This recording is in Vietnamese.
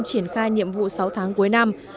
triển khai nhiệm vụ sáu tháng cuối năm